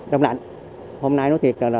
trong lạnh hôm nay nói thiệt là